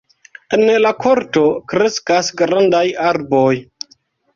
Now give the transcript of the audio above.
En la korto kreskas grandaj arboj.